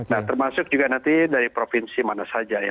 nah termasuk juga nanti dari provinsi mana saja ya